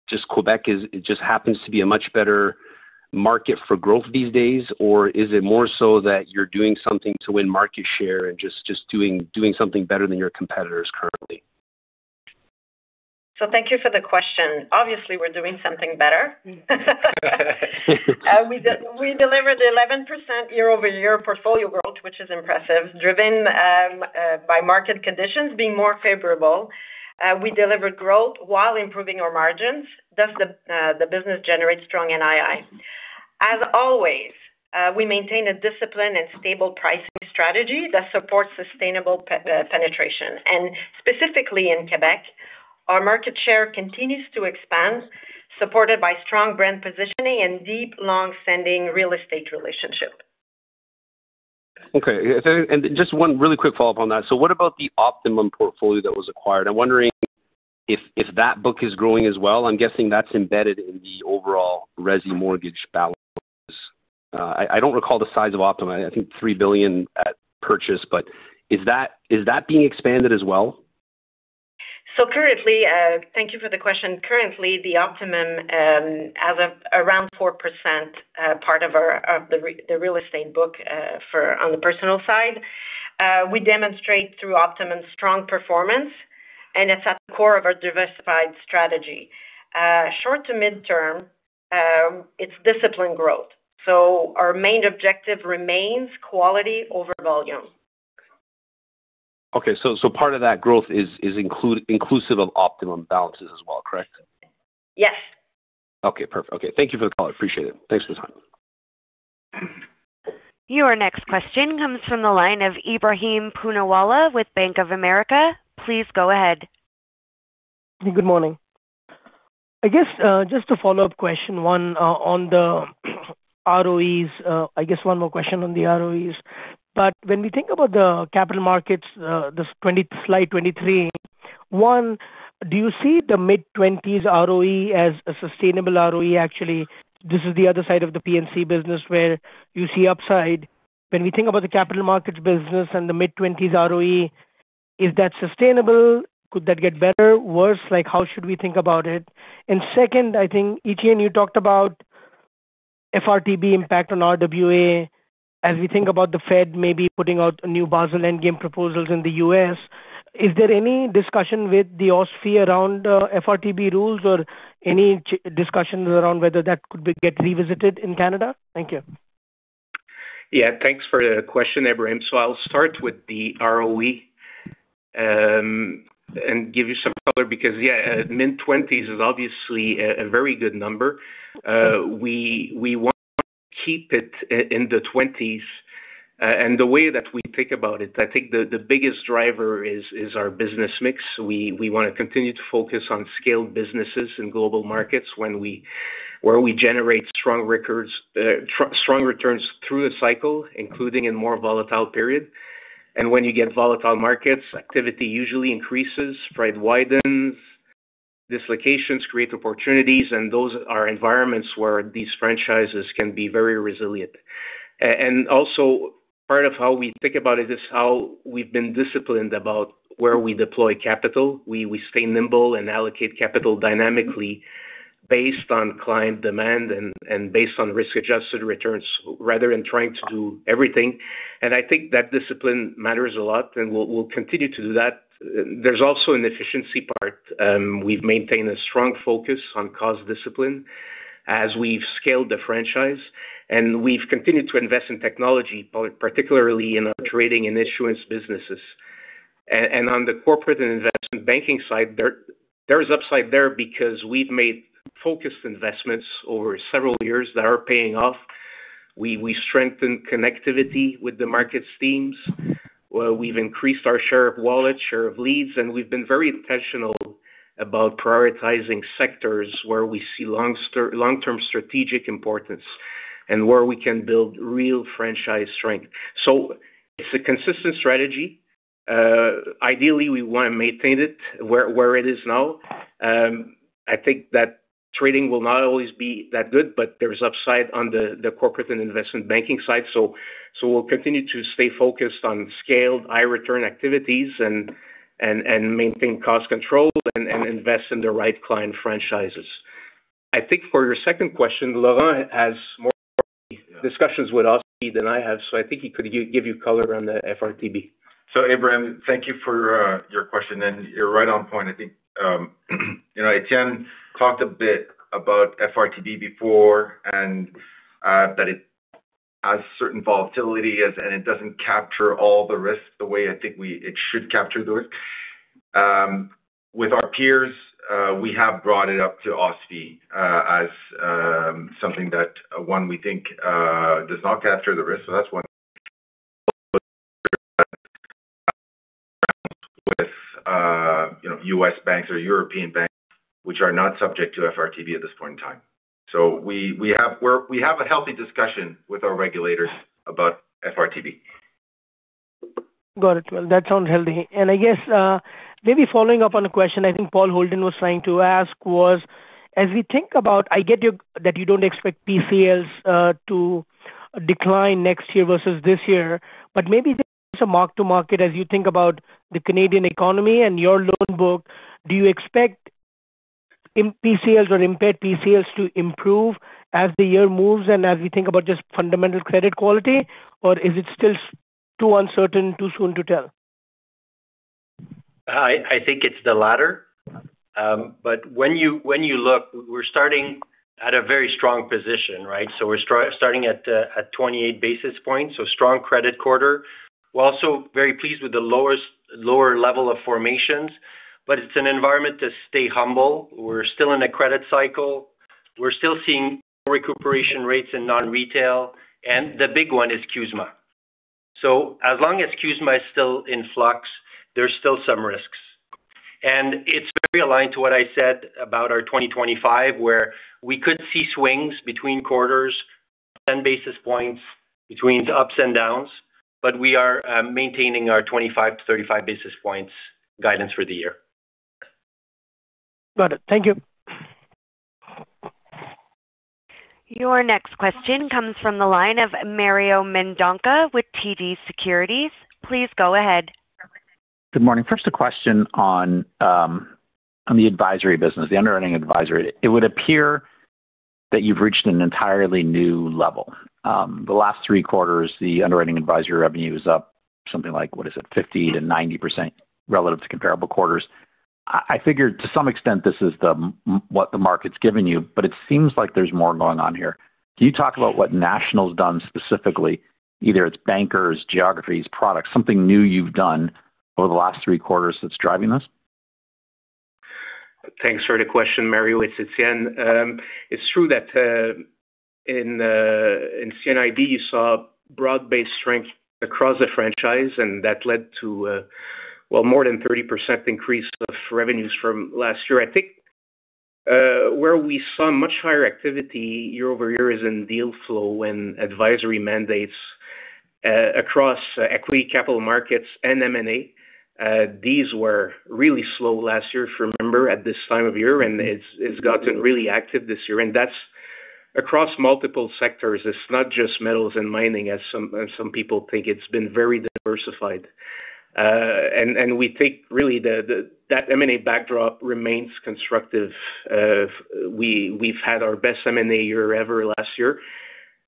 Just Quebec is, it just happens to be a much better market for growth these days, or is it more so that you're doing something to win market share and just doing something better than your competitors currently? Thank you for the question. Obviously, we're doing something better. We delivered 11% year-over-year portfolio growth, which is impressive, driven by market conditions being more favorable. we delivered growth while improving our margins, thus the business generates strong NII. As always, we maintain a disciplined and stable pricing strategy that supports sustainable penetration. Specifically in Quebec, our market share continues to expand, supported by strong brand positioning and deep, long-standing real estate relationship. Just one really quick follow-up on that. What about the Optimum portfolio that was acquired? I'm wondering if that book is growing as well. I'm guessing that's embedded in the overall resi mortgage balance. I don't recall the size of Optimum. I think 3 billion at purchase, is that being expanded as well? Currently, thank you for the question. Currently, the Optimum has around 4% part of our, of the real estate book for on the personal side. We demonstrate through Optimum's strong performance, and it's at the core of our diversified strategy. Short to mid-term, it's disciplined growth, our main objective remains quality over volume. Part of that growth is inclusive of Optimum balances as well, correct? Yes. Okay, perfect. Okay. Thank you for the call. I appreciate it. Thanks for the time. Your next question comes from the line of Ebrahim Poonawala with Bank of America. Please go ahead. Good morning. I guess, just a follow-up question, one, on the ROEs. I guess one more question on the ROEs. When we think about the capital markets, slide 23. One, do you see the mid-20s ROE as a sustainable ROE? Actually, this is the other side of the P&C business where you see upside. When we think about the capital markets business and the mid-20s ROE, is that sustainable? Could that get better, worse? Like, how should we think about it? Second, I think, Étienne, you talked about FRTB impact on RWA. As we think about the Fed maybe putting out new Basel III Endgame proposals in the U.S., is there any discussion with the OSFI around FRTB rules or any discussions around whether that could be get revisited in Canada? Thank you. Yeah, thanks for the question, Ebrahim. I'll start with the ROE, and give you some color because, yeah, mid-20s is obviously a very good number. We want to keep it in the 20s, the way that we think about it, I think the biggest driver is our business mix. We want to continue to focus on scaled businesses in global markets where we generate strong records, strong returns through the cycle, including in more volatile period. When you get volatile markets, activity usually increases, spread widens, dislocations create opportunities, and those are environments where these franchises can be very resilient. Also part of how we think about it is how we've been disciplined about where we deploy capital. We stay nimble and allocate capital dynamically based on client demand and based on risk-adjusted returns, rather than trying to do everything. I think that discipline matters a lot, and we'll continue to do that. There's also an efficiency part. We've maintained a strong focus on cost discipline as we've scaled the franchise, and we've continued to invest in technology, particularly in our trading and issuance businesses. On the corporate and investment banking side, there is upside there because we've made focused investments over several years that are paying off. We strengthen connectivity with the markets teams, we've increased our share of wallet, share of leads, and we've been very intentional about prioritizing sectors where we see long-term strategic importance and where we can build real franchise strength. It's a consistent strategy. Ideally, we want to maintain it where it is now. I think that trading will not always be that good, but there is upside on the corporate and investment banking side. We'll continue to stay focused on scaled, high return activities and maintain cost control and invest in the right client franchises. I think for your second question, Laurent has more discussions with OSFI than I have. I think he could give you color on the FRTB. Ebrahim, thank you for your question, and you're right on point. I think, you know, Étienne talked a bit about FRTB before, and that it has certain volatility as, and it doesn't capture all the risks the way I think it should capture the risk. With our peers, we have brought it up to OSFI, as something that, one, we think, does not capture the risk. That's one. With, you know, U.S. banks or European banks, which are not subject to FRTB at this point in time. We, we have a healthy discussion with our regulators about FRTB. Got it. Well, that sounds healthy. I guess, maybe following up on a question I think Paul Holden was trying to ask was, as we think about I get you, that you don't expect PCLs to decline next year versus this year, but maybe there's a mark to market as you think about the Canadian economy and your loan book, do you expect in PCLs or impaired PCLs to improve as the year moves and as we think about just fundamental credit quality? Or is it still too uncertain, too soon to tell? I think it's the latter. When you, when you look, we're starting at a very strong position, right? We're starting at 28 basis points, so strong credit quarter. We're also very pleased with the lowest, lower level of formations, but it's an environment to stay humble. We're still in a credit cycle. We're still seeing recuperation rates in non-retail, the big one is CUSMA. As long as CUSMA is still in flux, there's still some risks. It's very aligned to what I said about our 2025, where we could see swings between quarters and basis points between the ups and downs, but we are maintaining our 25-35 basis points guidance for the year. Got it. Thank you. Your next question comes from the line of Mario Mendonca with TD Securities. Please go ahead. Good morning. First, a question on the advisory business, the underwriting advisory. It would appear that you've reached an entirely new level. The last three quarters, the underwriting advisory revenue is up something like, what is it? 50%-90% relative to comparable quarters. I figured to some extent this is what the market's given you, but it seems like there's more going on here. Can you talk about what National's done specifically, either it's bankers, geographies, products, something new you've done over the last three quarters that's driving this? Thanks for the question, Mario. It's Étienne. It's true that in CIB, you saw broad-based strength across the franchise, and that led to, well, more than 30% increase of revenues from last year. I think where we saw much higher activity year-over-year is in deal flow and advisory mandates, across equity, capital markets and M&A. These were really slow last year, if you remember, at this time of year, and it's gotten really active this year. That's across multiple sectors. It's not just metals and mining, as some people think. It's been very diversified. And we think really the M&A backdrop remains constructive. We've had our best M&A year ever last year,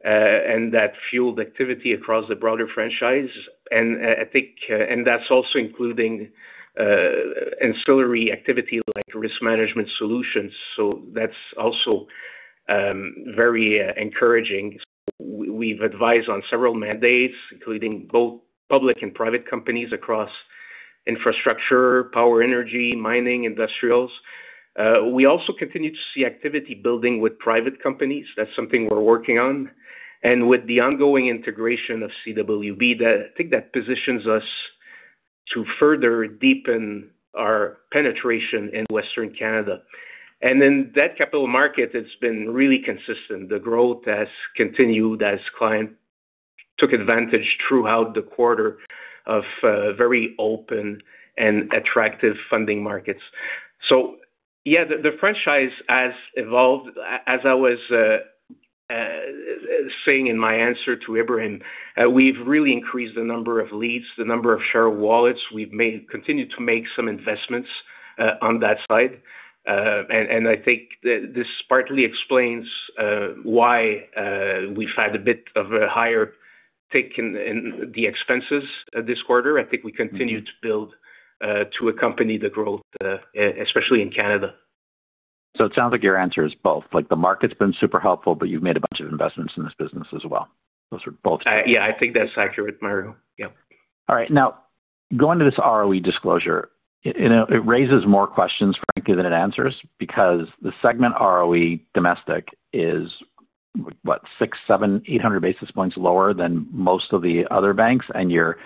and that fueled activity across the broader franchise. I think that's also including ancillary activity like Risk Management Solutions. That's also very encouraging. We've advised on several mandates, including both public and private companies across infrastructure, power, energy, mining, industrials. We also continue to see activity building with private companies. That's something we're working on. With the ongoing integration of CWB, that positions us to further deepen our penetration in Western Canada. In that capital market, it's been really consistent. The growth has continued as client took advantage throughout the quarter of very open and attractive funding markets. Yeah, the franchise has evolved. As I was saying in my answer to Ebrahim, we've really increased the number of leads, the number of share wallets. We've continued to make some investments on that side. I think this partly explains why we've had a bit of a higher take in the expenses this quarter. I think we continue to build to accompany the growth, especially in Canada. It sounds like your answer is both. Like, the market's been super helpful, but you've made a bunch of investments in this business as well. Those are both. Yeah, I think that's accurate, Mario. Yep. All right. Now, going to this ROE disclosure, it, you know, it raises more questions, frankly, than it answers, because the segment ROE domestic is what? six, seven, 800 basis points lower than most of the other banks, and your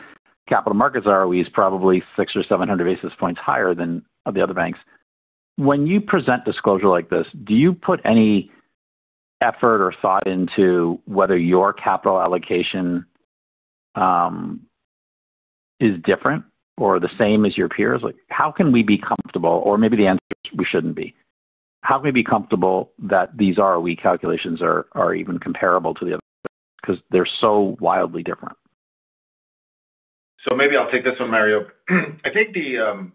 capital markets ROE is probably six or 700 basis points higher than the other banks. When you present disclosure like this, do you put any effort or thought into whether your capital allocation is different or the same as your peers? Like, how can we be comfortable, or maybe the answer is we shouldn't be. How can we be comfortable that these ROE calculations are even comparable to the other, because they're so wildly different? Maybe I'll take this one, Mario. I think the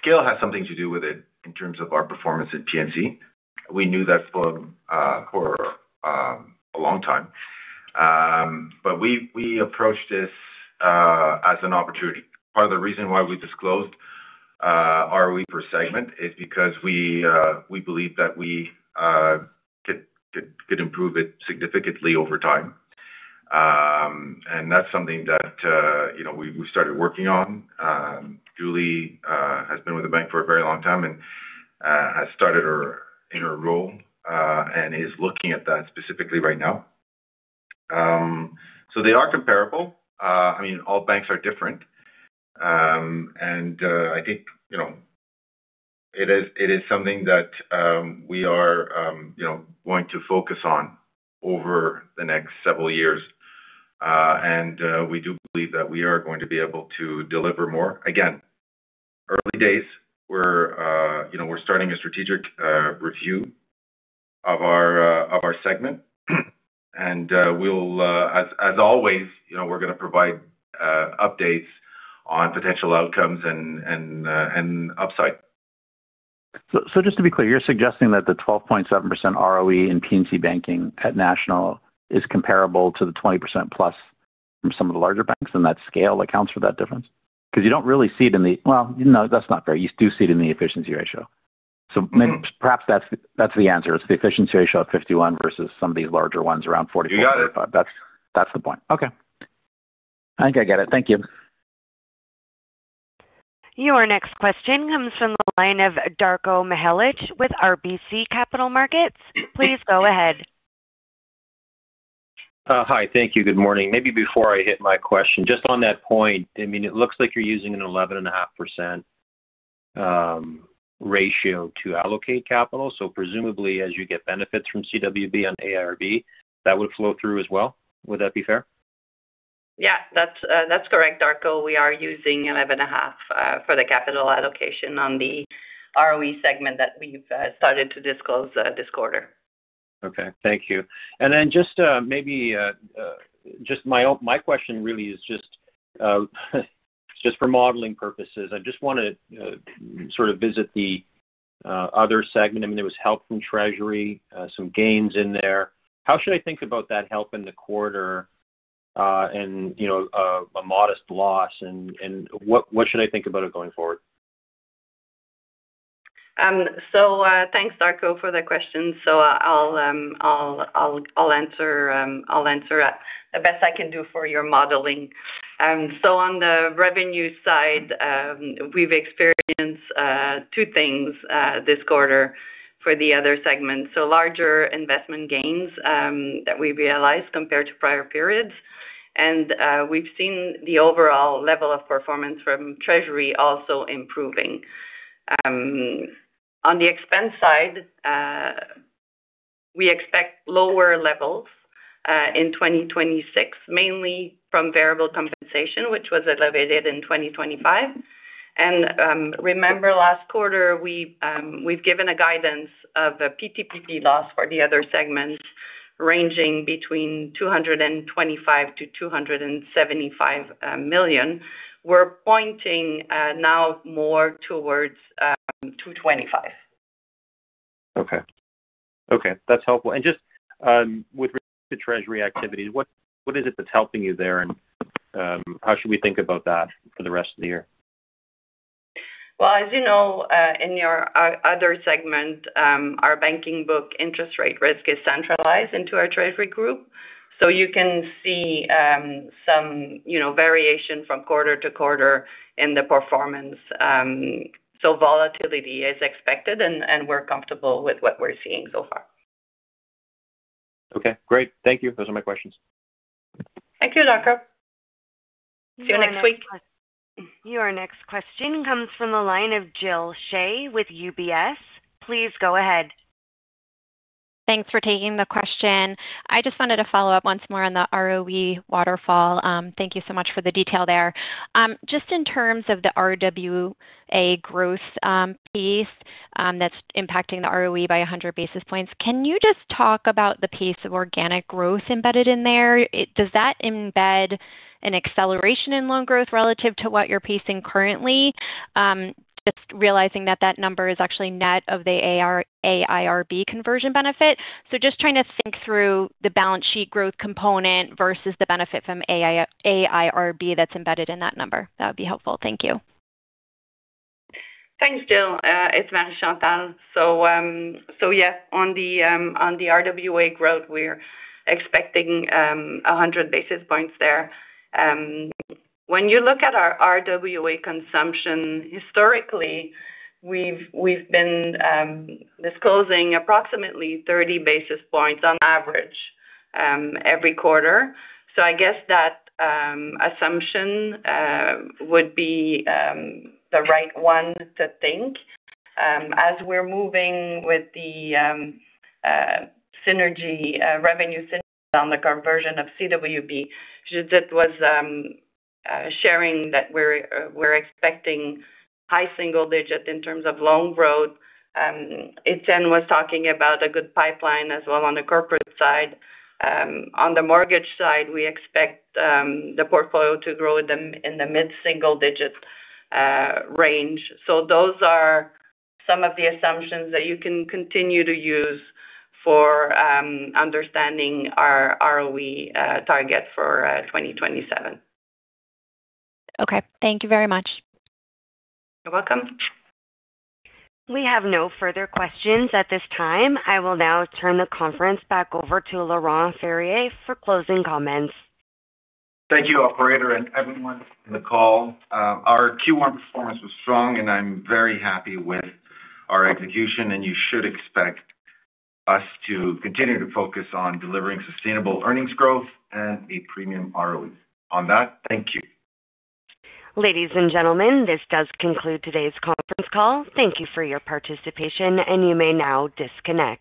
scale has something to do with it in terms of our performance at P&C. We knew that for a long time. We approached this as an opportunity. Part of the reason why we disclosed ROE per segment is because we believe that we could improve it significantly over time. That's something that, you know, we started working on. Julie has been with the bank for a very long time and has started her, in her role, and is looking at that specifically right now. They are comparable. I mean, all banks are different. I think, you know, it is, it is something that we are, you know, going to focus on over the next several years. We do believe that we are going to be able to deliver more. Again, early days, we're, you know, we're starting a strategic review of our segment. We'll, as always, you know, we're going to provide updates on potential outcomes and, and upside. Just to be clear, you're suggesting that the 12.7% ROE in P&C Banking at National is comparable to the 20%+ from some of the larger banks, and that scale accounts for that difference? You don't really see it. Well, no, that's not fair. You do see it in the efficiency ratio. Maybe, perhaps that's the answer. It's the efficiency ratio of 51 versus some of these larger ones around 44, 45. You got it. That's the point. Okay, I think I get it. Thank you. Your next question comes from the line of Darko Mihelic with RBC Capital Markets. Please go ahead. Hi. Thank you. Good morning. Maybe before I hit my question, just on that point, I mean, it looks like you're using an 11.5% ratio to allocate capital. Presumably, as you get benefits from CWB and AIRB, that would flow through as well. Would that be fair? That's correct, Darko. We are using 11.5% for the capital allocation on the ROE segment that we've started to disclose this quarter. Okay. Thank you. Just maybe my question really is just for modeling purposes. I just want to sort of visit the other segment. I mean, there was help from Treasury, some gains in there. How should I think about that help in the quarter, and, you know, a modest loss, and what should I think about it going forward? Thanks, Darko, for the question. I'll answer the best I can do for your modeling. On the revenue side, we've experienced two things this quarter for the other segment. Larger investment gains that we realized compared to prior periods, and we've seen the overall level of performance from Treasury also improving. On the expense side, we expect lower levels in 2026, mainly from variable compensation, which was elevated in 2025. Remember last quarter, we've given a guidance of a PTPP loss for the other segments, ranging between 225 million-275 million. We're pointing now more towards 225 million. Okay. Okay, that's helpful. Just, with the Treasury activity, what is it that's helping you there, and how should we think about that for the rest of the year? As you know, in your other segment, our banking book interest rate risk is centralized into our treasury group. You can see, some, you know, variation from quarter-to-quarter in the performance. Volatility is expected, and we're comfortable with what we're seeing so far. Okay, great. Thank you. Those are my questions. Thank you, Darko. See you next week. Your next question comes from a line of Jill Shea with UBS. Please go ahead. Thanks for taking the question. I just wanted to follow up once more on the ROE waterfall. Thank you so much for the detail there. Just in terms of the RWA growth piece that's impacting the ROE by 100 basis points, can you just talk about the piece of organic growth embedded in there? Does that embed an acceleration in loan growth relative to what you're pacing currently? Just realizing that that number is actually net of the AIRB conversion benefit. Just trying to think through the balance sheet growth component versus the benefit from AIRB that's embedded in that number. That would be helpful. Thank you. Thanks, Jill Shea. It's Marie-Chantal Gingras. Yes, on the RWA growth, we're expecting 100 basis points there. When you look at our RWA consumption, historically, we've been disclosing approximately 30 basis points on average every quarter. I guess that assumption would be the right one to think. As we're moving with the synergy revenue synergy on the conversion of Canadian Western Bank, Judith Ménard was sharing that we're expecting high single digits in terms of loan growth. Étienne Dubuc was talking about a good pipeline as well on the corporate side. On the mortgage side, we expect the portfolio to grow in the mid-single-digit range. Those are some of the assumptions that you can continue to use for understanding our ROE target for 2027. Okay. Thank you very much. You're welcome. We have no further questions at this time. I will now turn the conference back over to Laurent Ferreira for closing comments. Thank you, operator and everyone in the call. Our Q1 performance was strong, and I'm very happy with our execution, and you should expect us to continue to focus on delivering sustainable earnings growth and a premium ROE. On that, thank you. Ladies and gentlemen, this does conclude today's conference call. Thank you for your participation, and you may now disconnect.